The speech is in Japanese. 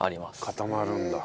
固まるんだ。